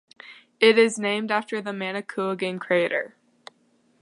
It is named after the Manicouagan crater.